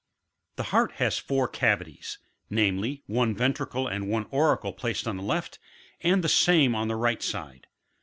40. The heart has four cavities, namely : one ventricle and one auricle placed on the left, and the same on the right side.